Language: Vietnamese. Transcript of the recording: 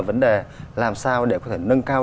vấn đề làm sao để có thể nâng cao